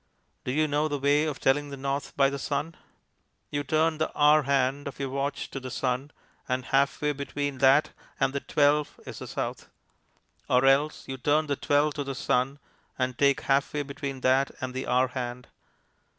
Do you know the way of telling the north by the sun? You turn the hour hand of your watch to the sun, and half way between that and the XII is the south. Or else you turn the XII to the sun and take half way between that and the hour hand.